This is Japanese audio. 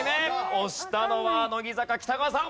押したのは乃木坂北川さん。